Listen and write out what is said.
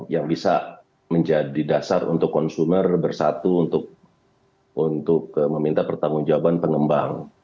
yang bisa menjadi dasar untuk konsumer bersatu untuk meminta pertanggung jawaban pengembang